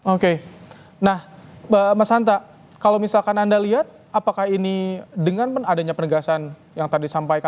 oke nah mas hanta kalau misalkan anda lihat apakah ini dengan adanya penegasan yang tadi disampaikan